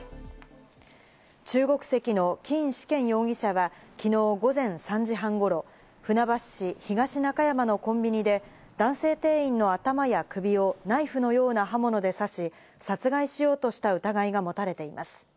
中国籍のキン・シケン容疑者はきのう午前３時半ごろ、船橋市東中山のコンビニで男性店員の頭や首をナイフのような刃物で刺し、殺害しようとした疑いが持たれています。